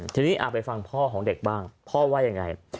ทีนี้ไปฟังพ่อของเด็กบ้างพ่อว่ายังไง